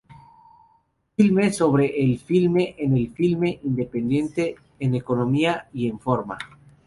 Filme sobre el filme en el filme, independiente en economía y en forma.